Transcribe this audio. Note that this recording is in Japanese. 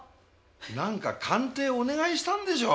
なんか鑑定をお願いしたんでしょう？